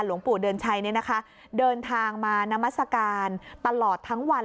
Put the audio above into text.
หลวงปู่เดิญชัยเนี่ยนะคะเดินทางมานามัสกาลตลอดทั้งวัน